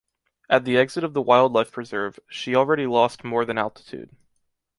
At the exit of the wildlife preserve, she already lost more than altitude.